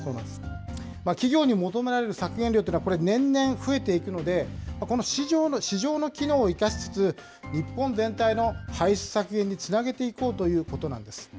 企業に求められる削減量というのは、これ、年々増えていくので、この市場の機能を生かししつつ、日本全体の排出削減につなげていこうということなんです。